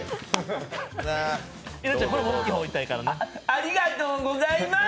ありがとうございます。